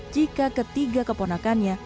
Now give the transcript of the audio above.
jika ketiga keponakannya